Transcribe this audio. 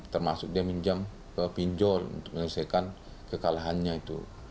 termasuk dia pinjam ke pinjol untuk menyelesaikan kekalahannya itu